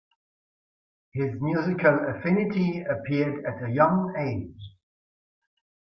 His musical affinity appeared at a young age.